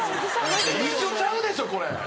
一緒ちゃうでしょこれ！